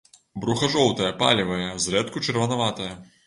Бруха жоўтае, палевае, зрэдку чырванаватае.